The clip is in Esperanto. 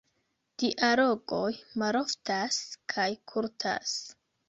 Dialogoj maloftas kaj kurtas.